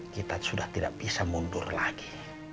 kita sudah tidak bisa mundur lagi